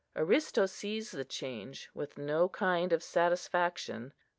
Aristo sees the change with no kind of satisfaction.